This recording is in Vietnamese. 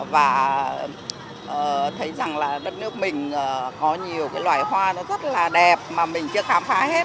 và thấy rằng là đất nước mình có nhiều cái loài hoa nó rất là đẹp mà mình chưa khám phá hết